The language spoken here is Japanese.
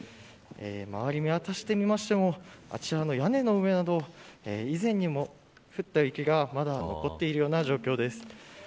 周りを見渡してみてもあちらの屋根の上など以前にも降った雪が、まだ残っているような状況です。